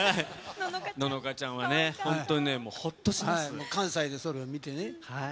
ののかちゃんはね、本当にほ関西でそれを見てね。